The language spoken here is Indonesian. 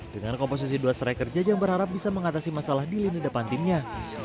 dengan komposisi dua striker jajang berharap bisa mengatasi masalah di lini depan timnya